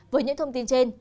với những thông tin trên